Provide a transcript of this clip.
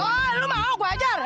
oh lu mau gua ajar hah